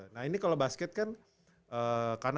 nah ini kalo basket kan kanada oh oke kanada